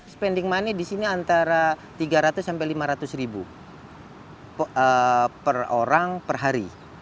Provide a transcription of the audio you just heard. spending money disini antara tiga ratus lima ratus ribu per orang per hari